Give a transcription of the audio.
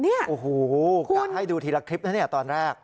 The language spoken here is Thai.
โอ้โหกะให้ดูทีละคลิปนะเนี่ยตอนแรก